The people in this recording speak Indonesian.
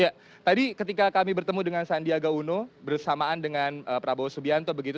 ya tadi ketika kami bertemu dengan sandiaga uno bersamaan dengan prabowo subianto begitu